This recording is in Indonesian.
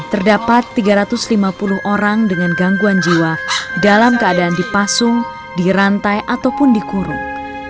terdapat tiga ratus lima puluh orang dengan gangguan jiwa dalam keadaan dipasung dirantai ataupun dikurung